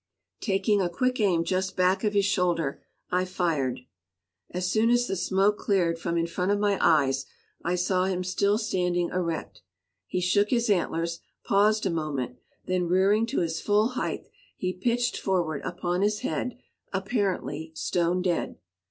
Taking a quick aim just back of his shoulder, I fired. As soon as the smoke cleared from in front of my eyes, I saw him still standing erect; he shook his antlers, paused a moment, then rearing to his full height he pitched forward upon his head, apparently stone dead.